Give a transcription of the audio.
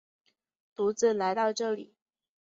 独自来到这里